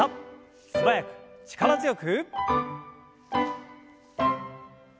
素早く力強く。